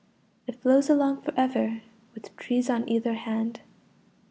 It flows along for ever, With trees on either hand.